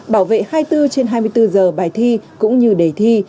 bảo vệ hai mươi bốn trên hai mươi bốn giờ bài thi cũng như đề thi